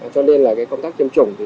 cho nên là cái công tác tiêm chủng thì